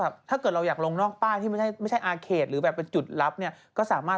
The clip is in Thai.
ไม่นั่งเครื่องครับก็ตอบผู้โดยสาร